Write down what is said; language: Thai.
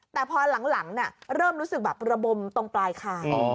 แต่พอหลังเริ่มรู้สึกแบบระบมตรงปลายคาง